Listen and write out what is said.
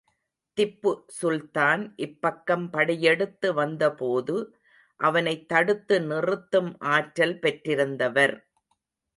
திப்பு சுல்தான் இப்பக்கம் படையெடுத்து வந்தபோது, அவனைத் தடுத்து நிறுத்தும் ஆற்றல் பெற்றிருந்தவர்.